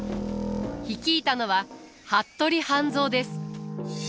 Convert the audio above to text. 率いたのは服部半蔵です。